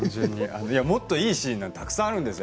もっといいシーンがたくさんあるんですよ